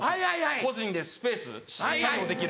個人でスペース作業できる。